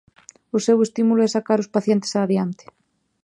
O seu estímulo é sacar os pacientes adiante.